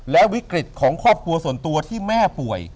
และวิกฤตของครอบครัวส่วนตัวที่แม่ป่วย